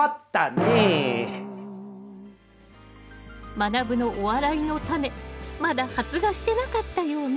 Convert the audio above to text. まなぶのお笑いのタネまだ発芽してなかったようね。